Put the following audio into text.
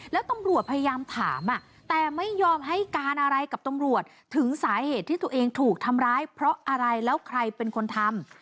แล้วตำรวจพยายามถามแต่ไม่ยอมให้การอะไรกับตำรวจถึงสาเหตุที่ตัวเองถูกทำร้ายเพราะอะไรแล้วใครเป็นคนทำ